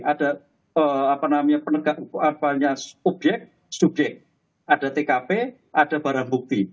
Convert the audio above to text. ada penegak penegaknya subjek subjek ada tkp ada barang bukti